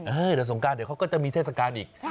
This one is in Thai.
เดี๋ยวสงการเดี๋ยวเขาก็จะมีเทศกาลอีก